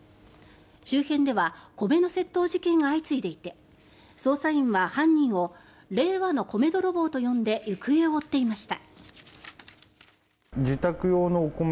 周辺では米の窃盗事件が相次いでいて捜査員は犯人を令和の米泥棒と呼んで行方を追っていました。